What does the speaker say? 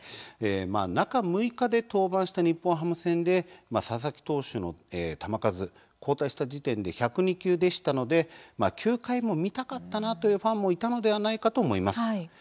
中６日で登板した日本ハム戦で佐々木投手の球数交代した時点で１０２球でしたので、９回も見たかったなというファンもいたのではないかと思います。